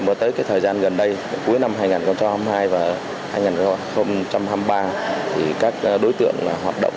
mà tới cái thời gian gần đây cuối năm hai nghìn hai mươi hai và hai nghìn hai mươi ba thì các đối tượng hoạt động